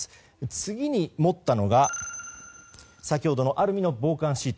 次に持ったのが先ほどのアルミの防寒シート。